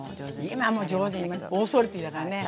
今もう上手にオーソリティーだからね。